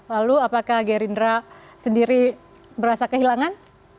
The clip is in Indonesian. lalu apakah gerindra sendiri berasa kehilangan